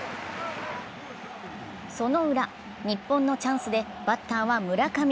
そのウラ、日本のチャンスでバッターは村上。